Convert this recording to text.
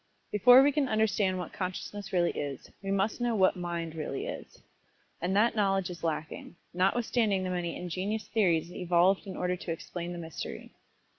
Before we can understand what Consciousness really is, we must know just what "Mind" really is and that knowledge is lacking, notwithstanding the many injenious theories evolved in order to explain the mystery.